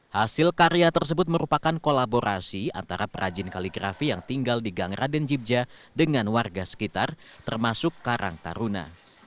hasil karya tersebut merupakan kolaborasi antara perajin kaligrafi yang tinggal di gang raden jibja dengan warga sekitar termasuk karang taruna